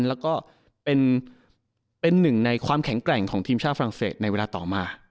แล้วก็เป็นหนึ่งในความแข็งแกร่งของทีมชาติฝรั่งเศสในเวลาต่อมา